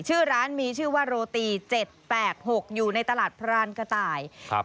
ชื่อร้านมีชื่อว่าโรตีเจ็ดแปดหกอยู่ในตลาดพรานกระต่ายครับ